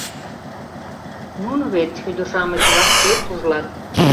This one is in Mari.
Нуно вет, ӱдыр-шамыч, вашке пужлат.